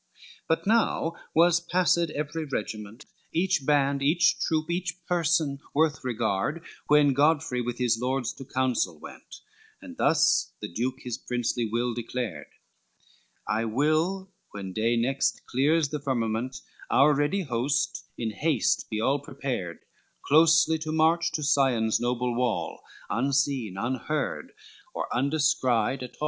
LXV But now was passed every regiment, Each band, each troop, each person worth regard When Godfrey with his lords to counsel went, And thus the Duke his princely will declared: "I will when day next clears the firmament, Our ready host in haste be all prepared, Closely to march to Sion's noble wall, Unseen, unheard, or undescried at all.